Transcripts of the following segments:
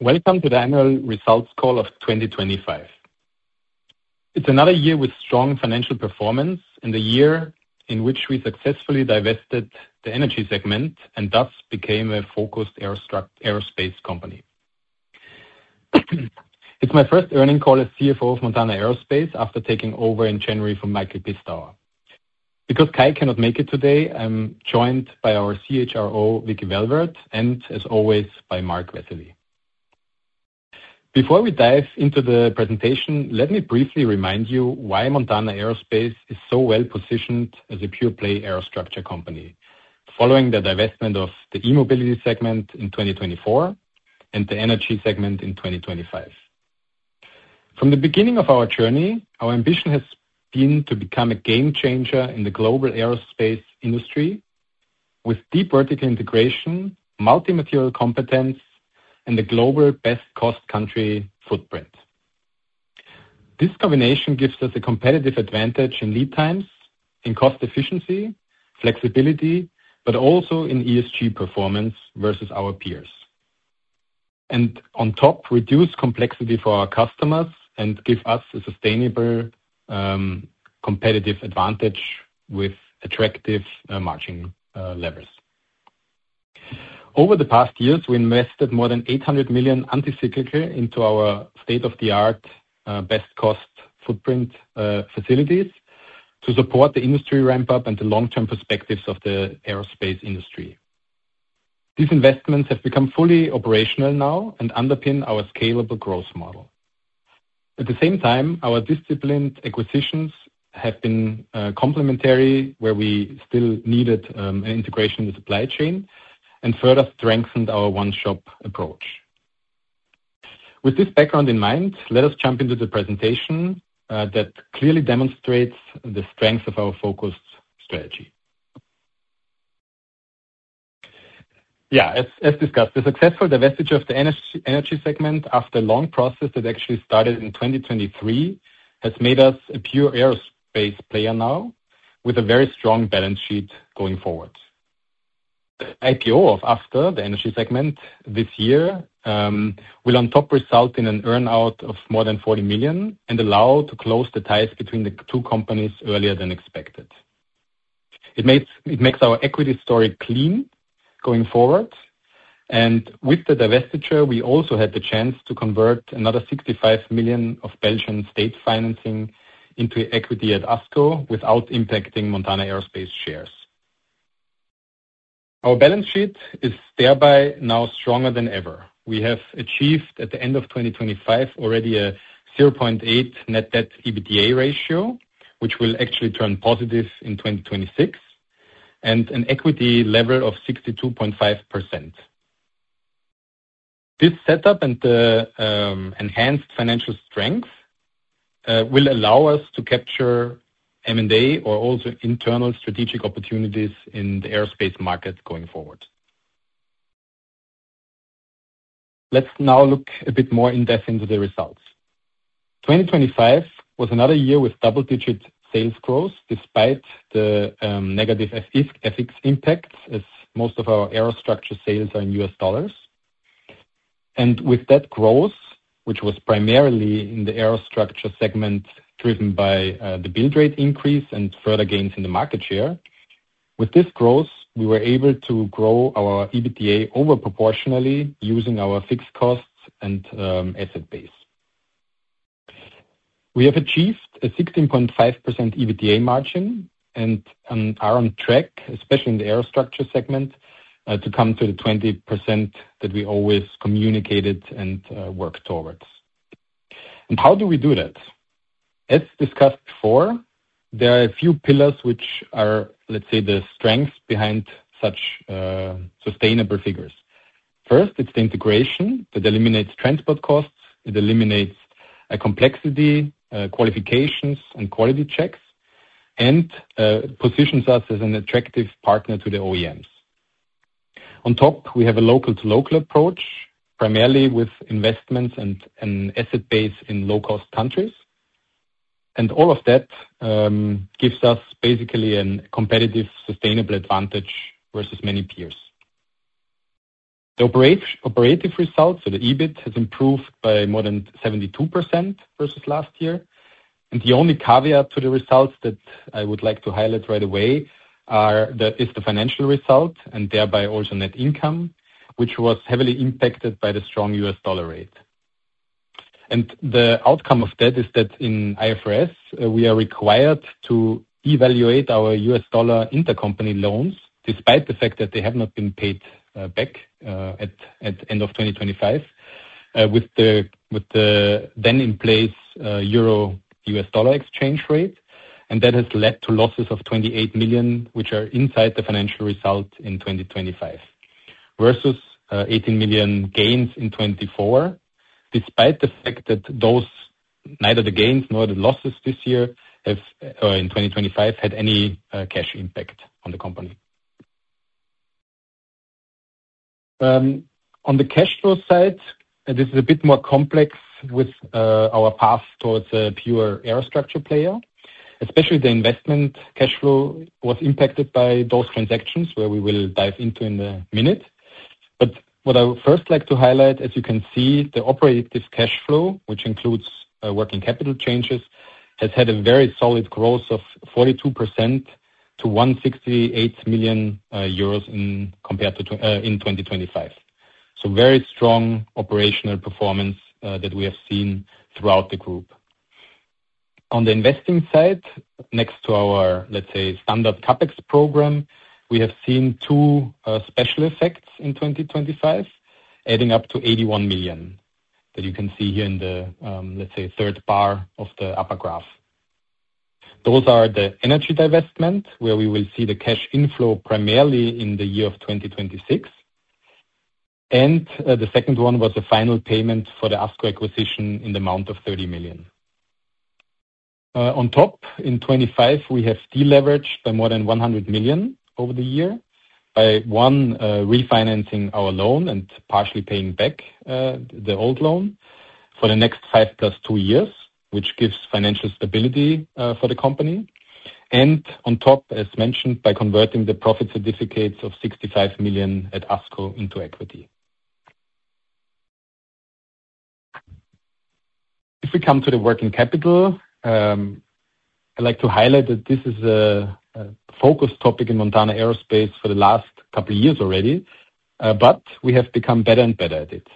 Welcome to the annual results call of 2025. It's another year with strong financial performance and the year in which we successfully divested the energy segment and thus became a focused aerospace company. It's my first earnings call as CFO of Montana Aerospace after taking over in January from Michael Pistauer. Because Kai cannot make it today, I'm joined by our CHRO, Vicky Welvaert, and as always, by Marc Vesely. Before we dive into the presentation, let me briefly remind you why Montana Aerospace is so well-positioned as a pure-play Aerostructure company. Following the divestment of the e-mobility segment in 2024 and the energy segment in 2025. From the beginning of our journey, our ambition has been to become a game changer in the global aerospace industry with deep vertical integration, multi-material competence, and the global best-cost country footprint. This combination gives us a competitive advantage in lead times, in cost efficiency, flexibility, but also in ESG performance versus our peers. On top, reduce complexity for our customers and give us a sustainable, competitive advantage with attractive, margin, levels. Over the past years, we invested more than 800 million anti-cyclically into our state-of-the-art, best cost footprint, facilities to support the industry ramp-up and the long-term perspectives of the aerospace industry. These investments have become fully operational now and underpin our scalable growth model. At the same time, our disciplined acquisitions have been, complementary, where we still needed, an integration with supply chain and further strengthened our one-shop approach. With this background in mind, let us jump into the presentation, that clearly demonstrates the strength of our focused strategy. Yeah. As discussed, the successful divestiture of the energy segment after a long process that actually started in 2023 has made us a pure aerospace player now, with a very strong balance sheet going forward. The IPO after the energy segment this year will on top result in an earn-out of more than 40 million and allow to close the ties between the two companies earlier than expected. It makes our equity story clean going forward, and with the divestiture, we also had the chance to convert another 65 million of Belgian state financing into equity at ASCO without impacting Montana Aerospace shares. Our balance sheet is thereby now stronger than ever. We have achieved, at the end of 2025, already a 0.8x net debt EBITDA ratio, which will actually turn positive in 2026, and an equity level of 62.5%. This setup and the enhanced financial strength will allow us to capture M&A or also internal strategic opportunities in the aerospace market going forward. Let's now look a bit more in depth into the results. 2025 was another year with double-digit sales growth despite the negative FX impact, as most of our Aerostructure sales are in U.S. dollars. With that growth, which was primarily in the Aerostructure segment, driven by the build rate increase and further gains in the market share. With this growth, we were able to grow our EBITDA over proportionally using our fixed costs and asset base. We have achieved a 16.5% EBITDA margin and are on track, especially in the Aerostructure segment, to come to the 20% that we always communicated and work towards. How do we do that? As discussed before, there are a few pillars which are, let's say, the strength behind such sustainable figures. First, it's the integration that eliminates transport costs, it eliminates a complexity, qualifications and quality checks, and positions us as an attractive partner to the OEMs. On top, we have a local-to-local approach, primarily with investments and asset base in low-cost countries. All of that gives us basically a competitive, sustainable advantage versus many peers. The operative results of the EBIT has improved by more than 72% versus last year. The only caveat to the results that I would like to highlight right away is the financial result, and thereby also net income, which was heavily impacted by the strong U.S. dollar rate. The outcome of that is that in IFRS, we are required to evaluate our U.S. dollar intercompany loans, despite the fact that they have not been paid back at end of 2025 with the then in place EUR-U.S. dollar exchange rate. That has led to losses of 28 million, which are inside the financial result in 2025 versus 18 million gains in 2024. Despite the fact that neither the gains nor the losses this year have in 2025 had any cash impact on the company. On the cash flow side, this is a bit more complex with our path towards a pure Aerostructure player. Especially the investment cash flow was impacted by those transactions where we will dive into in a minute. What I would first like to highlight, as you can see, the operative cash flow, which includes working capital changes, has had a very solid growth of 42% to 168 million euros in 2025. Very strong operational performance that we have seen throughout the group. On the investing side, next to our, let's say, standard CapEx program, we have seen two special effects in 2025 adding up to 81 million that you can see here in the, let's say, third bar of the upper graph. Those are the energy divestment, where we will see the cash inflow primarily in the year of 2026. The second one was the final payment for the ASCO acquisition in the amount of 30 million. On top, in 2025, we have deleveraged by more than 100 million over the year by one refinancing our loan and partially paying back the old loan for the next five plus two years, which gives financial stability for the company. On top, as mentioned, by converting the profit certificates of 65 million at ASCO into equity. If we come to the working capital, I'd like to highlight that this is a focus topic in Montana Aerospace for the last couple of years already. But we have become better and better at it.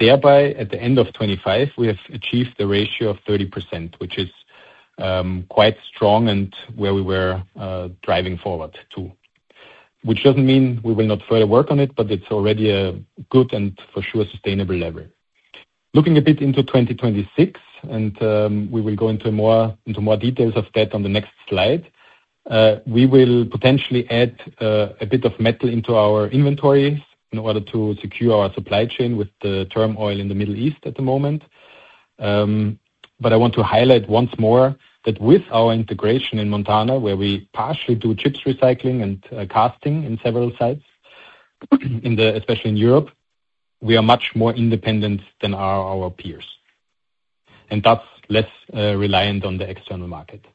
Thereby, at the end of 2025, we have achieved the ratio of 30%, which is quite strong and where we were driving forward to. Which doesn't mean we will not further work on it, but it's already a good and for sure sustainable level. Looking a bit into 2026, we will go into more details of that on the next slide. We will potentially add a bit of metal into our inventory in order to secure our supply chain with the turmoil in the Middle East at the moment. But I want to highlight once more that with our integration in Montana, where we partially do chips recycling and casting in several sites, especially in Europe, we are much more independent than are our peers. Thus, less reliant on the external market.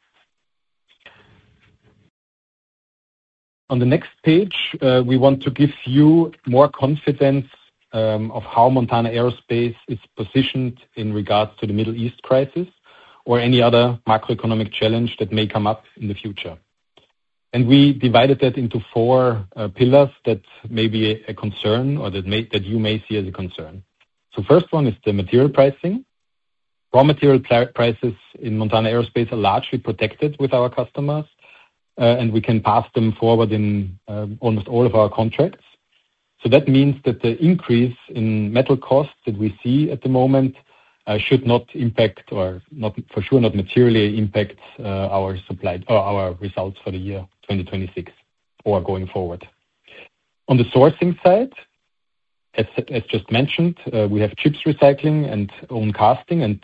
On the next page, we want to give you more confidence of how Montana Aerospace is positioned in regards to the Middle East crisis or any other macroeconomic challenge that may come up in the future. We divided that into four pillars that may be a concern or that you may see as a concern. First one is the material pricing. Raw material prices in Montana Aerospace are largely protected with our customers, and we can pass them forward in almost all of our contracts. That means that the increase in metal costs that we see at the moment should not impact or not, for sure, not materially impact our supply or our results for the year 2026 or going forward. On the sourcing side, as just mentioned, we have chips recycling and own casting.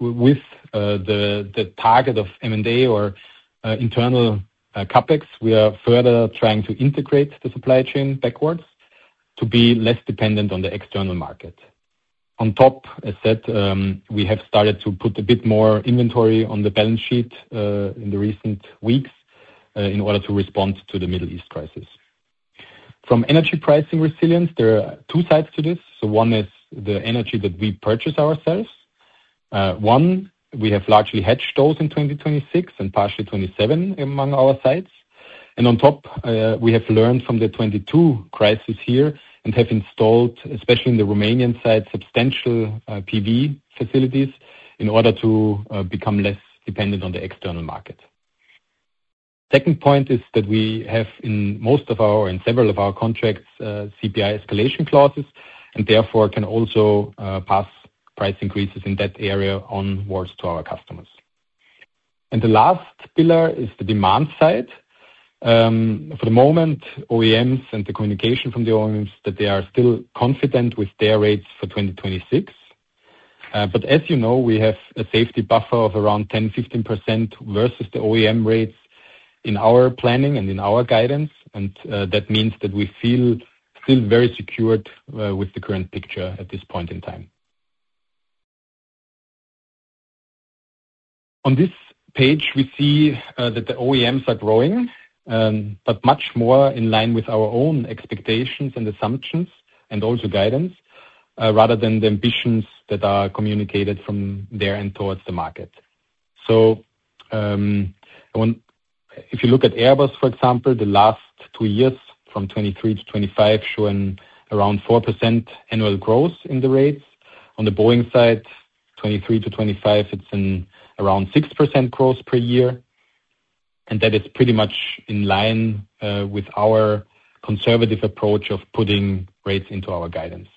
With the target of M&A or internal CapEx, we are further trying to integrate the supply chain backwards to be less dependent on the external market. On top, as said, we have started to put a bit more inventory on the balance sheet in the recent weeks in order to respond to the Middle East crisis. From energy pricing resilience, there are two sides to this. One is the energy that we purchase ourselves. We have largely hedged those in 2026 and partially 2027 among our sites. On top, we have learned from the 2022 crisis here and have installed, especially in the Romanian site, substantial PV facilities in order to become less dependent on the external market. Second point is that we have in several of our contracts, CPI escalation clauses, and therefore, can also pass price increases in that area onwards to our customers. The last pillar is the demand side. For the moment, OEMs and the communication from the OEMs, that they are still confident with their rates for 2026. As you know, we have a safety buffer of around 10%-15% versus the OEM rates in our planning and in our guidance. That means that we feel still very secured with the current picture at this point in time. On this page, we see that the OEMs are growing, but much more in line with our own expectations and assumptions and also guidance rather than the ambitions that are communicated from there and towards the market. If you look at Airbus, for example, the last two years, from 2023-2025, showing around 4% annual growth in the rates. On the Boeing side, 2023-2025, it's around 6% growth per year. That is pretty much in line with our conservative approach of putting rates into our guidance.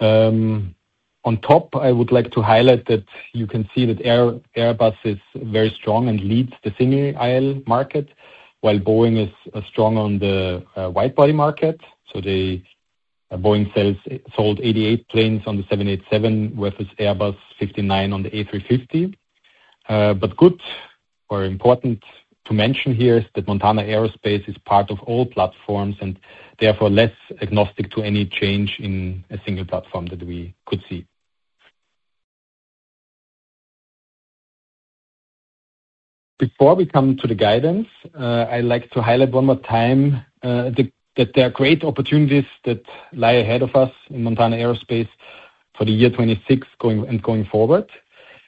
On top, I would like to highlight that you can see that Airbus is very strong and leads the single-aisle market, while Boeing is strong on the wide-body market. Boeing sold 88 planes on the 787 versus Airbus 59 on the A350. Good or important to mention here is that Montana Aerospace is part of all platforms and therefore less agnostic to any change in a single platform that we could see. Before we come to the guidance, I like to highlight one more time, that there are great opportunities that lie ahead of us in Montana Aerospace for the year 2026 going forward.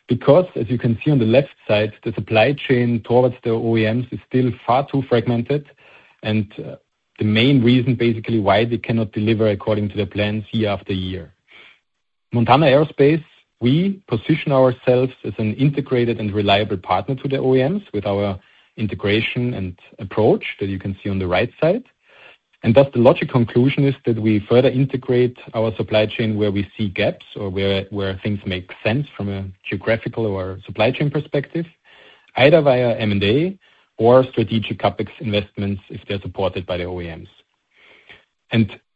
Because as you can see on the left side, the supply chain towards the OEMs is still far too fragmented, and the main reason basically why they cannot deliver according to their plans year after year. Montana Aerospace, we position ourselves as an integrated and reliable partner to the OEMs with our integration and approach that you can see on the right side. Thus the logical conclusion is that we further integrate our supply chain where we see gaps or where things make sense from a geographical or supply chain perspective. Either via M&A or strategic CapEx investments if they're supported by the OEMs.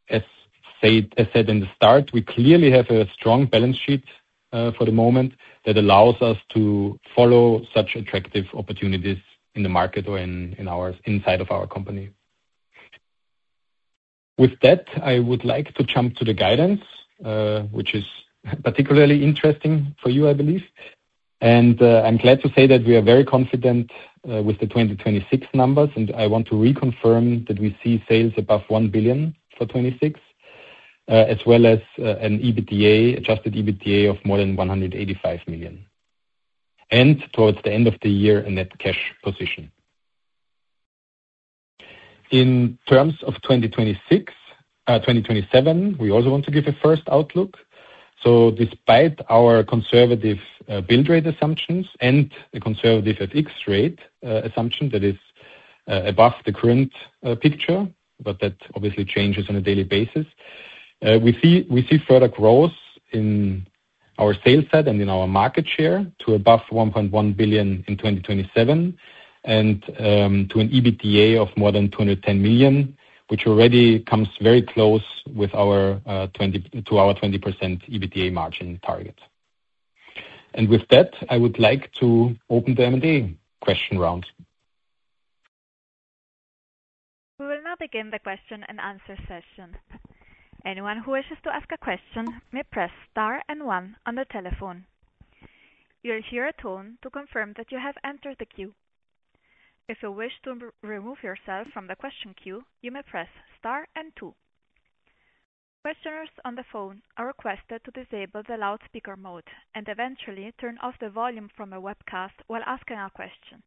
As said in the start, we clearly have a strong balance sheet for the moment that allows us to follow such attractive opportunities in the market or in our inside of our company. With that, I would like to jump to the guidance which is particularly interesting for you, I believe. I'm glad to say that we are very confident with the 2026 numbers, and I want to reconfirm that we see sales above 1 billion for 2026, as well as an adjusted EBITDA of more than 185 million. Towards the end of the year, a net cash position. In terms of 2026, 2027, we also want to give a first outlook. Despite our conservative build rate assumptions and the conservative FX rate assumption that is above the current picture, but that obviously changes on a daily basis. We see further growth in our sales and in our market share to above 1.1 billion in 2027 and to an EBITDA of more than 210 million, which already comes very close to our 20% EBITDA margin target. With that, I would like to open the demanding question round. We will now begin the question and answer session. Anyone who wishes to ask a question may press star and one on the telephone. You'll hear a tone to confirm that you have entered the queue. If you wish to remove yourself from the question queue, you may press star and two. Questioners on the phone are requested to disable the loudspeaker mode and eventually turn off the volume from the webcast while asking a question.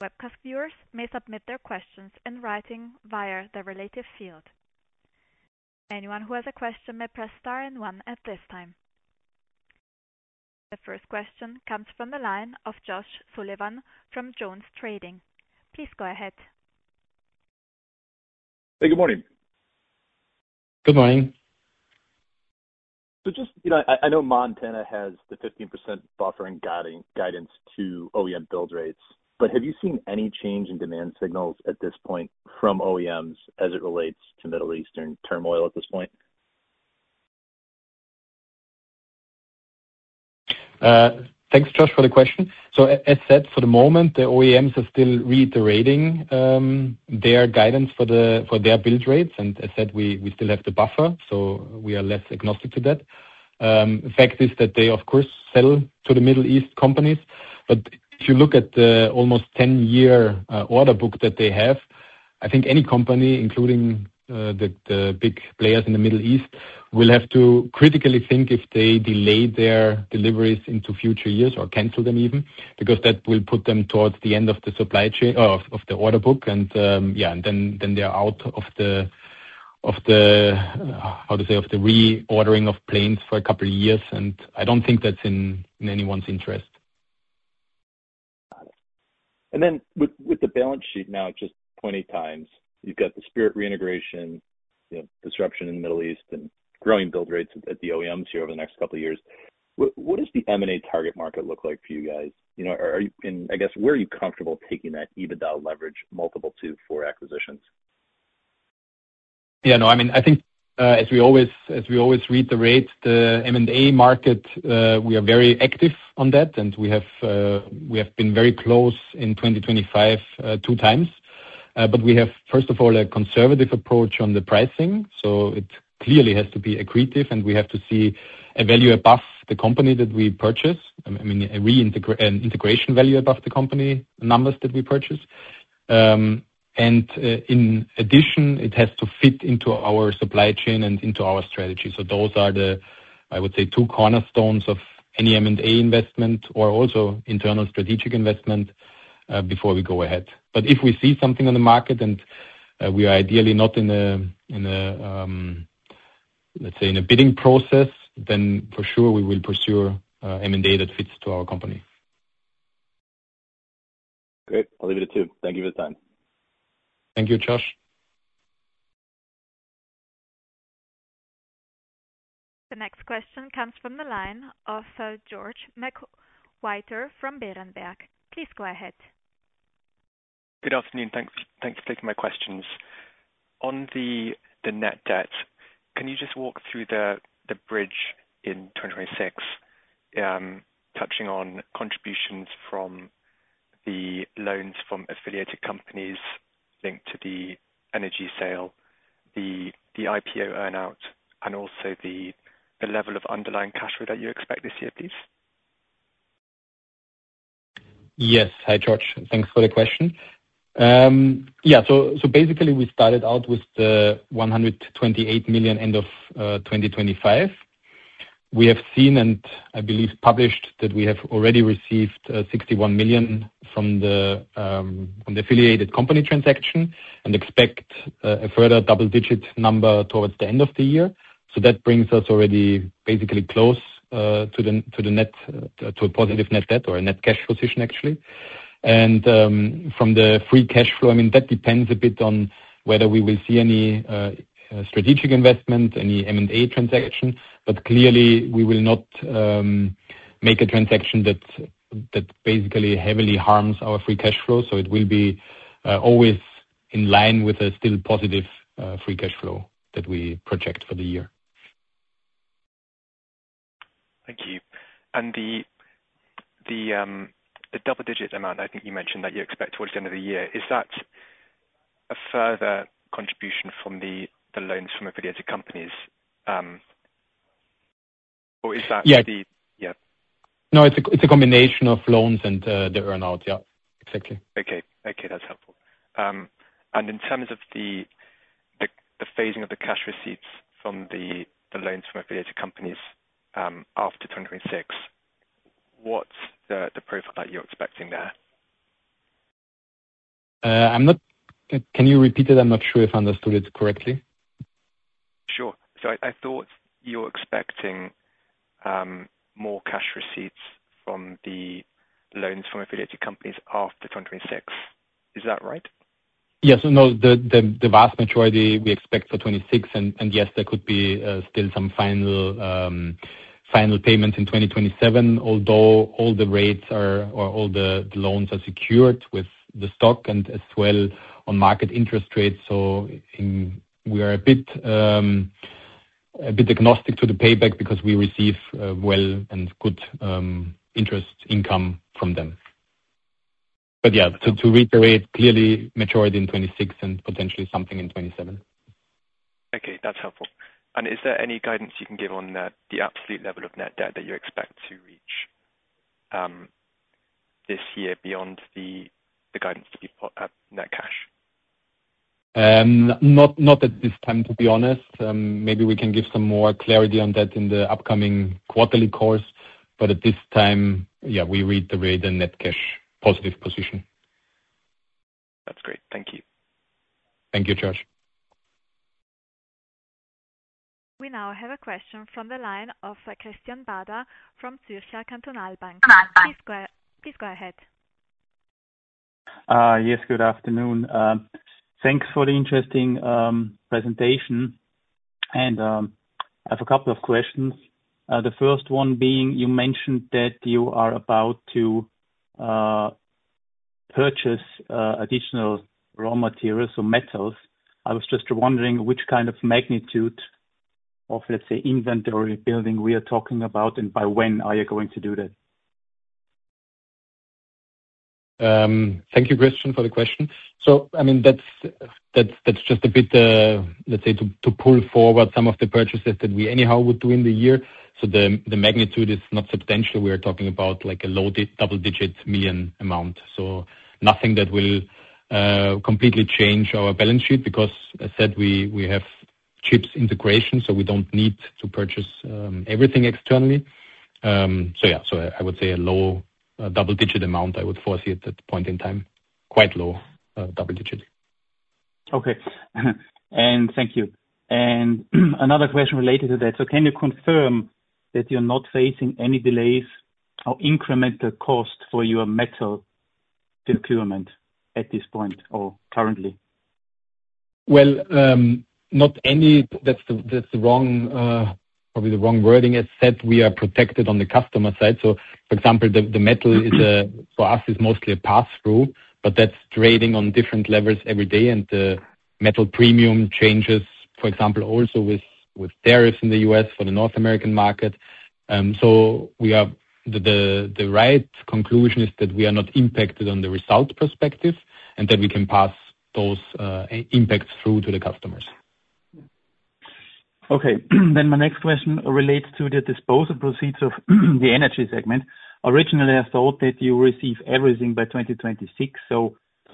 Webcast viewers may submit their questions in writing via the relevant field. Anyone who has a question may press star and one at this time. The first question comes from the line of Josh Sullivan from Jones Trading. Please go ahead. Hey, good morning. Good morning. Just, you know, I know Montana has the 15% buffering guidance to OEM build rates. Have you seen any change in demand signals at this point from OEMs as it relates to Middle Eastern turmoil at this point? Thanks, Josh, for the question. As said, for the moment, the OEMs are still reiterating their guidance for their build rates. As said, we still have the buffer, so we are less agnostic to that. Fact is that they of course sell to the Middle East companies. If you look at the almost 10-year order book that they have, I think any company, including the big players in the Middle East, will have to critically think if they delay their deliveries into future years or cancel them even, because that will put them towards the end of the order book. They are out of the reordering of planes for a couple of years. I don't think that's in anyone's interest. Got it. With the balance sheet now at just 20x, you've got the Spirit reintegration, you know, disruption in the Middle East and growing build rates at the OEMs here over the next couple of years. What does the M&A target market look like for you guys? You know, are you in? I guess, where are you comfortable taking that EBITDA leverage multiple to for acquisitions? Yeah, no, I mean, I think, as we always read the tea leaves of the M&A market, we are very active on that. We have been very close in 2025, 2x. We have, first of all, a conservative approach on the pricing, so it clearly has to be accretive, and we have to see a value above the company that we purchase. I mean, an integration value above the company numbers that we purchase. In addition, it has to fit into our supply chain and into our strategy. Those are the, I would say, two cornerstones of any M&A investment or also internal strategic investment, before we go ahead. If we see something on the market and we are ideally not, let's say, in a bidding process, then for sure we will pursue M&A that fits to our company. Great. I'll leave it to you. Thank you for the time. Thank you, Josh. The next question comes from the line of George McWhirter from Berenberg. Please go ahead. Good afternoon. Thanks for taking my questions. On the net debt, can you just walk through the bridge in 2026, touching on contributions from the loans from affiliated companies linked to the energy sale, the IPO earn out and also the level of underlying cash flow that you expect to see at least. Yes. Hi, George. Thanks for the question. Basically we started out with the 100 million-128 million end of 2025. We have seen, and I believe published, that we have already received 61 million from the affiliated company transaction and expect a further double-digit number towards the end of the year. That brings us already basically close to a positive net debt or a net cash position, actually. From the free cash flow, I mean, that depends a bit on whether we will see any strategic investment, any M&A transaction, but clearly we will not make a transaction that basically heavily harms our free cash flow. It will be always in line with a still positive free cash flow that we project for the year. Thank you. The double-digit amount, I think you mentioned that you expect towards the end of the year. Is that a further contribution from the loans from affiliated companies, or is that the- Yeah. Yeah. No, it's a combination of loans and the earn-out. Yeah, exactly. Okay, that's helpful. In terms of the phasing of the cash receipts from the loans from affiliated companies, after 2026, what's the profile that you're expecting there? Can you repeat it? I'm not sure if I understood it correctly. Sure. I thought you're expecting more cash receipts from the loans from affiliated companies after 2026. Is that right? Yes and no. The vast majority we expect for 2026 and yes, there could be still some final payment in 2027, although all the rates are or all the loans are secured with the stock and as well on market interest rates. We are a bit agnostic to the payback because we receive well and good interest income from them. Yeah, to reiterate, clearly maturity in 2026 and potentially something in 2027. Okay, that's helpful. Is there any guidance you can give on that, the absolute level of net debt that you expect to reach, this year beyond the guidance that you've put up net cash? Not at this time, to be honest. Maybe we can give some more clarity on that in the upcoming quarterly call. At this time, yeah, we're at the rate and net cash positive position. That's great. Thank you. Thank you, George. We now have a question from the line of Christian Bader from Zürcher Kantonalbank. Please go ahead. Yes, good afternoon. Thanks for the interesting presentation. I have a couple of questions. The first one being you mentioned that you are about to purchase additional raw materials or metals. I was just wondering which kind of magnitude of, let's say, inventory building we are talking about, and by when are you going to do that? Thank you, Christian, for the question. I mean, that's just a bit, let's say to pull forward some of the purchases that we anyhow would do in the year. The magnitude is not substantial. We are talking about like a low- to double-digit million amount, so nothing that will completely change our balance sheet because as I said, we have chips integration, so we don't need to purchase everything externally. Yeah. I would say a low double-digit amount I would foresee at that point in time, quite low double-digit. Okay. Thank you. Another question related to that. Can you confirm that you're not facing any delays or incremental cost for your metal procurement at this point or currently? Well, not any. That's the wrong wording, probably. As said, we are protected on the customer side. For example, the metal is for us mostly a pass-through, but that's trading on different levels every day. Metal premium changes, for example, also with tariffs in the U.S. for the North American market. We have the right conclusion is that we are not impacted on the results perspective and that we can pass those impacts through to the customers. My next question relates to the disposal proceeds of the energy segment. Originally, I thought that you receive everything by 2026.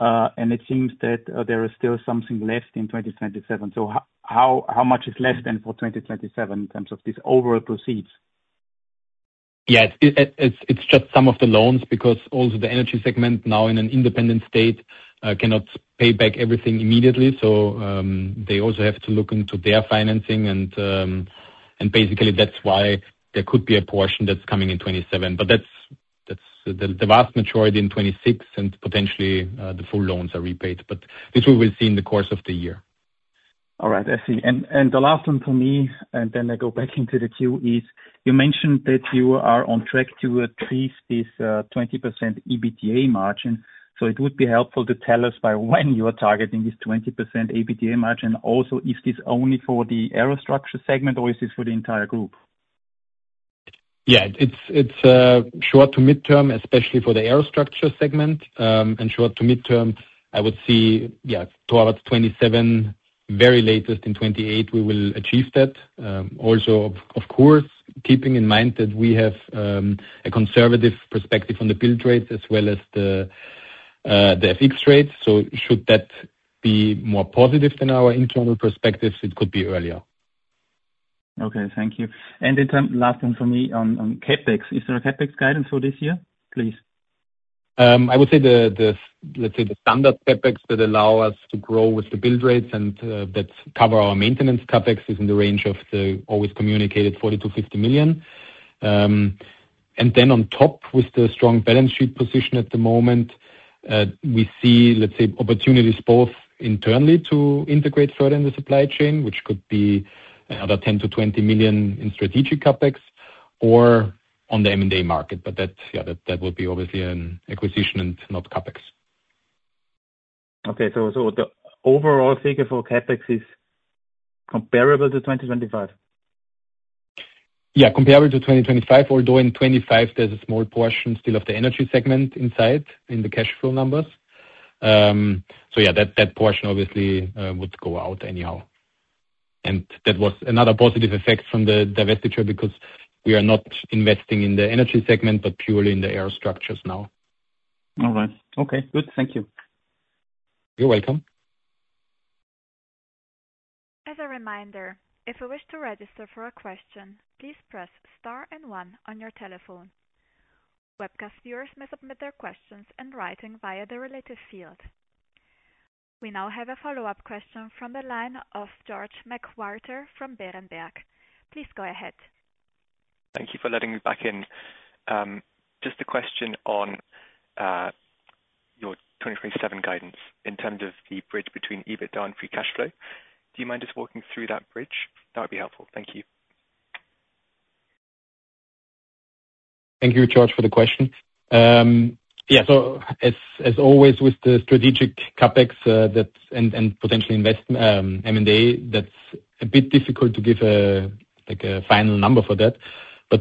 It seems that there is still something left in 2027. How much is left then for 2027 in terms of these overall proceeds? Yes. It's just some of the loans because also the energy segment now in an independent state cannot pay back everything immediately. They also have to look into their financing and basically that's why there could be a portion that's coming in 2027. That's the vast majority in 2026 and potentially the full loans are repaid. This we will see in the course of the year. All right. I see. The last one for me, and then I go back into the queue, is you mentioned that you are on track to achieve this 20% EBITDA margin. It would be helpful to tell us by when you are targeting this 20% EBITDA margin. Also, is this only for the Aerostructure segment or is this for the entire group? Yeah, it's short to midterm, especially for the Aerostructure segment. Short to midterm, I would see, yeah, towards 2027, very latest in 2028, we will achieve that. Also, of course, keeping in mind that we have a conservative perspective on the build rates as well as the fixed rates. Should that be more positive than our internal perspectives, it could be earlier. Okay, thank you. Last one for me on CapEx. Is there a CapEx guidance for this year, please? I would say the let's say standard CapEx that allow us to grow with the build rates and that cover our maintenance CapEx is in the range of the always communicated 40 million-50 million. And then on top, with the strong balance sheet position at the moment, we see, let's say, opportunities both internally to integrate further in the supply chain, which could be another 10 million-20 million in strategic CapEx, or on the M&A market. That would be obviously an acquisition and not CapEx. Okay. The overall figure for CapEx is comparable to 2025? Yeah, comparable to 2025, although in 2025 there's a small portion still of the energy segment inside in the cash flow numbers. Yeah, that portion obviously would go out anyhow. That was another positive effect from the divestiture because we are not investing in the energy segment, but purely in the Aerostructures now. All right. Okay, good. Thank you. You're welcome. As a reminder, if you wish to register for a question, please press star and one on your telephone. Webcast viewers may submit their questions in writing via the related field. We now have a follow-up question from the line of George McWhirter from Berenberg. Please go ahead. Thank you for letting me back in. Just a question on your 2027 guidance in terms of the bridge between EBITDA and free cash flow. Do you mind just walking through that bridge? That would be helpful. Thank you. Thank you, George, for the question. As always with the strategic CapEx, that's and potentially investments M&A, that's a bit difficult to give like a final number for that.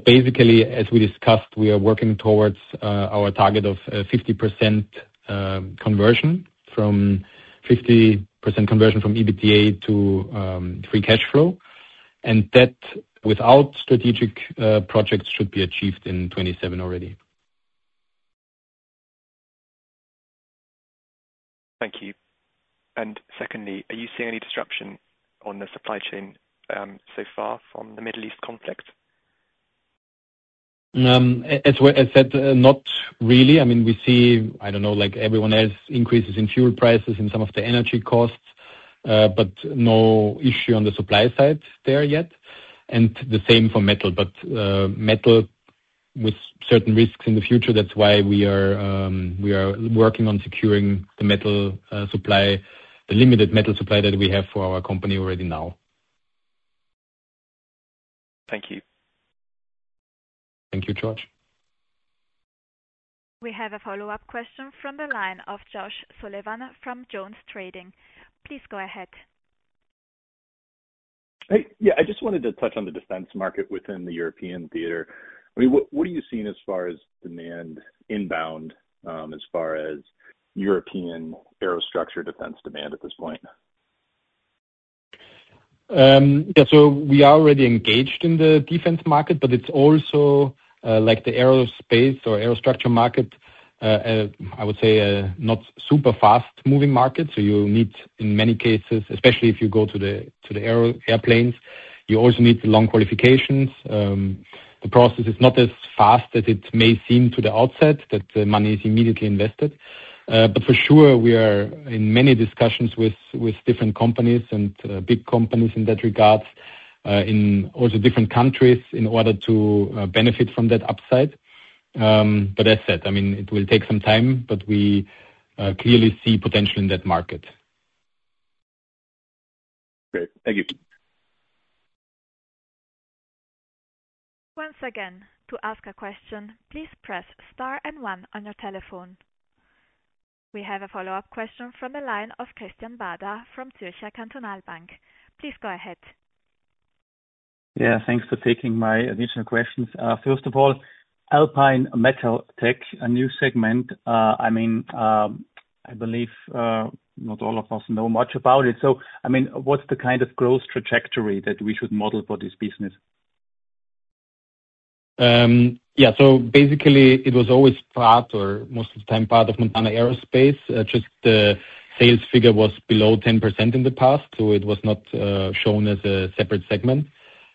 Basically, as we discussed, we are working towards our target of 50% conversion from EBITDA to free cash flow. That, without strategic projects, should be achieved in 2027 already. Thank you. Secondly, are you seeing any disruption on the supply chain, so far from the Middle East conflict? As said, not really. I mean, we see, I don't know, like everyone else, increases in fuel prices and some of the energy costs, but no issue on the supply side there yet, and the same for metal. Metal with certain risks in the future. That's why we are working on securing the metal supply, the limited metal supply that we have for our company already now. Thank you. Thank you, George. We have a follow-up question from the line of Josh Sullivan from Jones Trading. Please go ahead. Hey. Yeah, I just wanted to touch on the defense market within the European theater. I mean, what are you seeing as far as demand inbound, as far as European Aerostructure defense demand at this point? We are already engaged in the defense market, but it's also like the aerospace or Aerostructure market. I would say not super fast moving market. You need, in many cases, especially if you go to the airplanes, you also need the long qualifications. The process is not as fast as it may seem from the outset that the money is immediately invested. But for sure, we are in many discussions with different companies and big companies in that regard, and also in different countries in order to benefit from that upside. As said, I mean, it will take some time, but we clearly see potential in that market. Great. Thank you. We have a follow-up question from the line of Christian Bader from Zürcher Kantonalbank. Please go ahead. Yeah, thanks for taking my additional questions. First of all, Alpine Metal Tech, a new segment. I mean, I believe not all of us know much about it. I mean, what's the kind of growth trajectory that we should model for this business? Yeah. Basically it was always part or most of the time of Montana Aerospace. Just the sales figure was below 10% in the past, so it was not shown as a separate segment.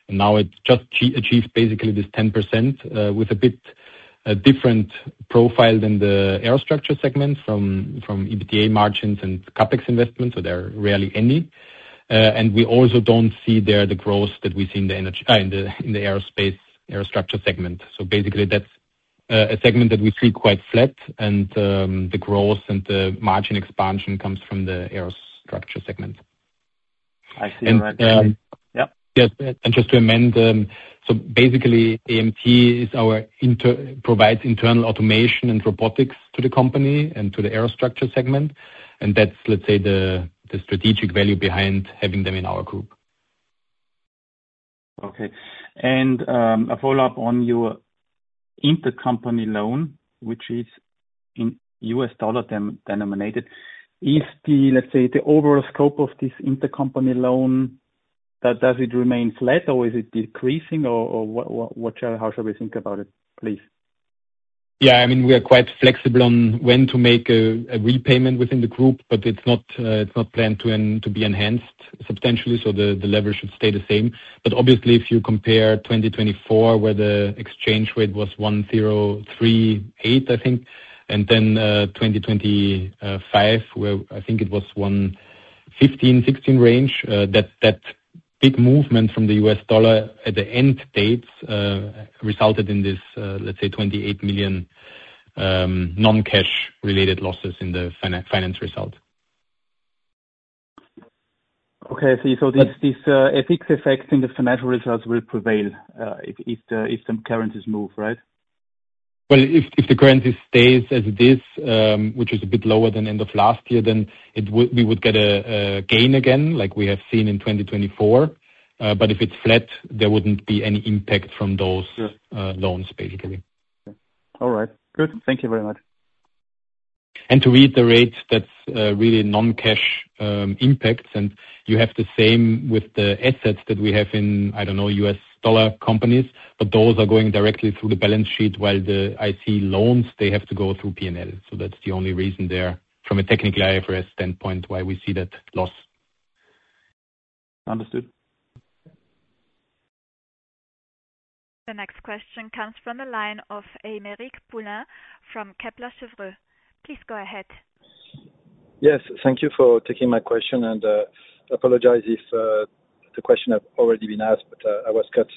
Now it just achieved basically this 10%, with a bit different profile than the Aerostructure segment from EBITDA margins and CapEx investments. There are rarely any. And we also don't see there the growth that we see in the aerospace Aerostructure segment. Basically that's a segment that we see quite flat and the growth and the margin expansion comes from the Aerostructure segment. I see. And, um- Yep. Yes. Just to amend, so basically AMT provides internal automation and robotics to the company and to the Aerostructure segment. That's, let's say, the strategic value behind having them in our group. Okay. A follow-up on your intercompany loan, which is in U.S. dollar denominated. Is the, let's say, the overall scope of this intercompany loan does it remain flat, or is it decreasing or how shall we think about it, please? Yeah, I mean, we are quite flexible on when to make a repayment within the group, but it's not planned to be enhanced substantially, so the leverage should stay the same. Obviously, if you compare 2024, where the exchange rate was 1.038, I think, and then 2025, where I think it was 1.15-1.16 range, that big movement from the U.S. dollar at the end dates resulted in this, let's say 28 million non-cash related losses in the finance result. This FX effect in the financial results will prevail if some currencies move, right? Well, if the currency stays as it is, which is a bit lower than end of last year, then we would get a gain again, like we have seen in 2024. But if it's flat, there wouldn't be any impact from those. Sure. loans, basically. All right. Good. Thank you very much. To reiterate, that's really non-cash impacts, and you have the same with the assets that we have in, I don't know, U.S. dollar companies, but those are going directly through the balance sheet while the Intercompany loans, they have to go through P&L. That's the only reason they're, from a technical IFRS standpoint, why we see that loss. Understood. The next question comes from the line of Aymeric Poulain from Kepler Cheuvreux. Please go ahead. Yes, thank you for taking my question and I apologize if the question has already been asked, but I was cut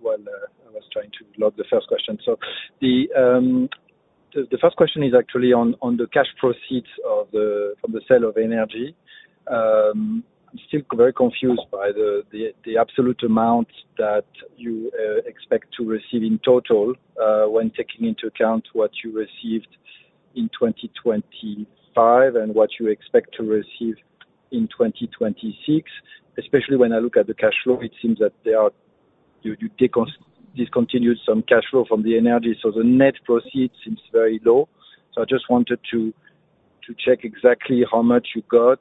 while I was trying to load the first question. The first question is actually on the cash proceeds from the sale of energy. I'm still very confused by the absolute amount that you expect to receive in total, when taking into account what you received in 2025 and what you expect to receive in 2026. Especially when I look at the cash flow, it seems that you discontinued some cash flow from the energy, so the net proceeds seem very low. I just wanted to check exactly how much you got,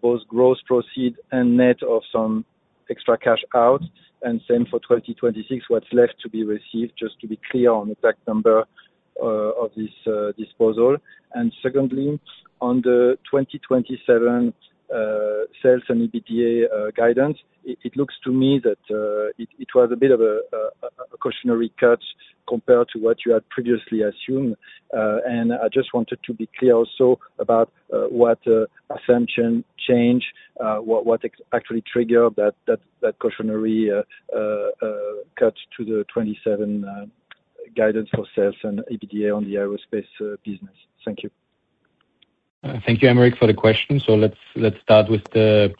both gross proceeds and net of some extra cash out. Same for 2026, what's left to be received, just to be clear on the exact number of this disposal. Secondly, on the 2027 sales and EBITDA guidance, it looks to me that it was a bit of a cautionary cut compared to what you had previously assumed. I just wanted to be clear also about what assumption change actually triggered that cautionary cut to the 2027 guidance for sales and EBITDA on the aerospace business. Thank you. Thank you, Aymeric, for the question. Let's start with the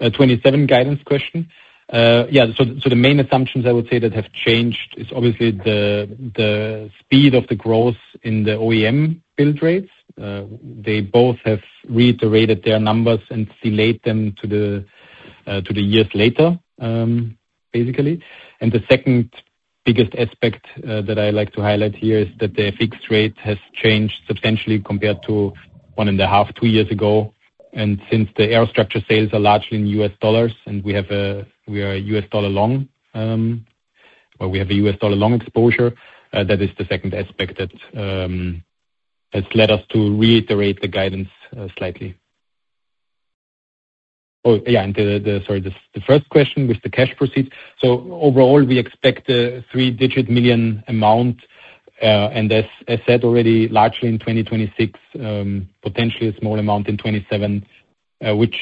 2027 guidance question. The main assumptions I would say that have changed is obviously the speed of the growth in the OEM build rates. They both have reiterated their numbers and delayed them to the years later, basically. The second biggest aspect that I like to highlight here is that their fixed rate has changed substantially compared to 1.5, two years ago. Since the Aerostructure sales are largely in U.S. dollars and we are U.S. dollar long, or we have a U.S. dollar long exposure, that is the second aspect that has led us to reiterate the guidance slightly. Sorry, the first question with the cash proceeds. Overall, we expect a three-digit million amount, and as said already, largely in 2026, potentially a small amount in 2027, which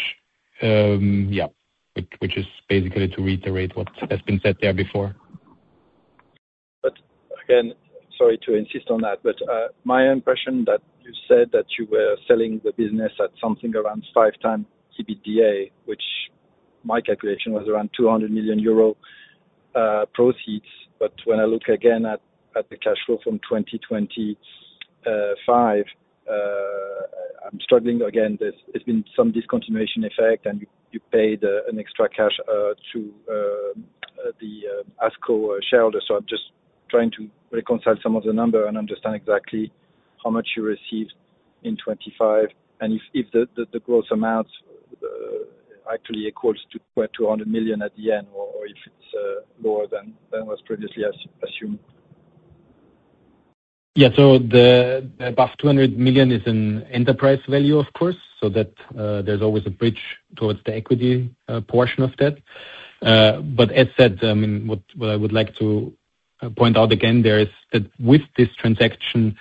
is basically to reiterate what has been said there before. Again, sorry to insist on that, but my impression that you said that you were selling the business at something around 5x EBITDA, which my calculation was around 200 million euro proceeds. When I look again at the cash flow from 2025, I'm struggling again. There's been some discontinuation effect, and you paid an extra cash to the ASCO shareholder. I'm just trying to reconcile some of the numbers and understand exactly how much you received in 2025, and if the gross amount actually equals 200 million at the end or if it's lower than was previously assumed. Yeah. The above 200 million is an enterprise value, of course, so that there's always a bridge towards the equity portion of that. As said, I mean, what I would like to point out again there is that with this transaction,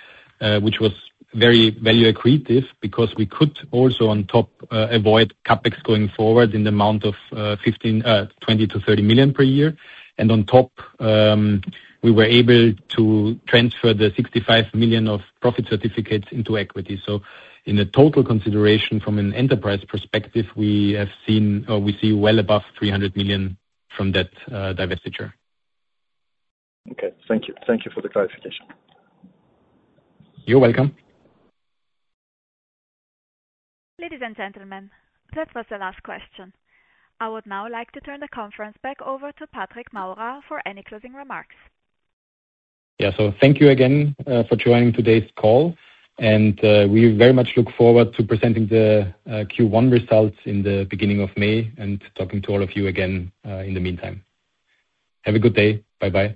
which was very value accretive because we could also on top avoid CapEx going forward in the amount of 20 million-30 million per year. On top, we were able to transfer the 65 million of profit certificates into equity. In a total consideration from an enterprise perspective, we have seen, or we see well above 300 million from that divestiture. Okay. Thank you. Thank you for the clarification. You're welcome. Ladies and gentlemen, that was the last question. I would now like to turn the conference back over to Patrick Maurer for any closing remarks. Yeah. Thank you again for joining today's call and we very much look forward to presenting the Q1 results in the beginning of May and talking to all of you again in the meantime. Have a good day. Bye-bye.